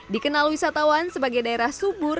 dikenal wisatawan sebagai daerah subur